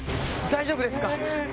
大丈夫ですか？